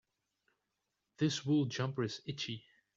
This wool jumper is itchy.